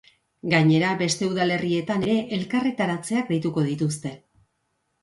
Gainera, beste udalerrietan ere elkarretaratzeak deituko dituzte.